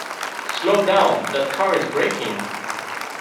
Slow down, that car is braking!